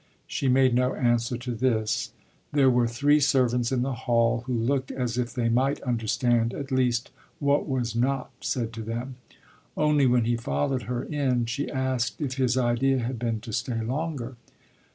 She made no answer to this there were three servants in the hall who looked as if they might understand at least what was not said to them; only when he followed her in she asked if his idea had been to stay longer.